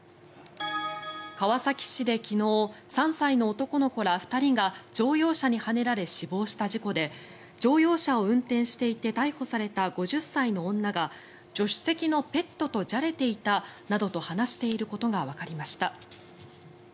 川崎市で昨日３歳の男の子ら２人が乗用車にはねられ死亡した事故で乗用車を運転していた逮捕された５０歳の女が助手席のペットとじゃれていたなどと話していることがわかりました。